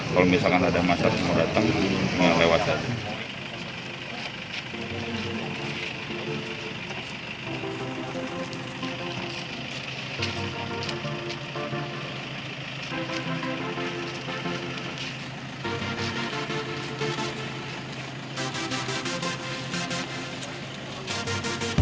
kalau misalkan ada masyarakat yang mau datang lewat saja